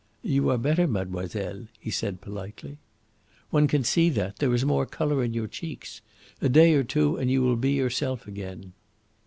"You are better, mademoiselle," he said politely. "One can see that. There is more colour in your cheeks. A day or two, and you will be yourself again."